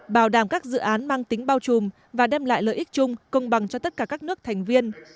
bảo đảm các dự án mang tính bao trùm và đem lại lợi ích chung công bằng cho tất cả các nước thành viên